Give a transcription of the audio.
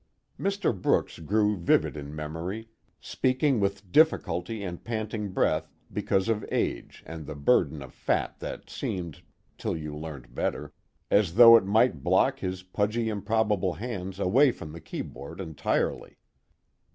_ Mr. Brooks grew vivid in memory, speaking with difficulty and panting breath because of age and the burden of fat that seemed (till you learned better) as though it might block his pudgy improbable hands away from the keyboard entirely.